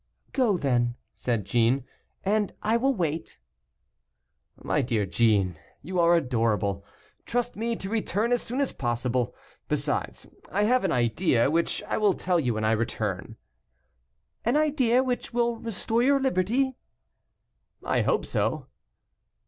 "Go, then," said Jeanne, "and I will wait." "My dear Jeanne, you are adorable. Trust me to returns as soon as possible, Besides, I have an idea, which I will tell you when I return." "An idea which will restore your liberty?" "I hope so."